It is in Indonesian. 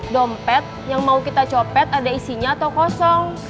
dompet yang mau kita copet ada isinya atau kosong